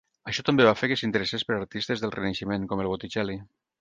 Això també va fer que s'interessés per artistes del Renaixement com el Botticelli.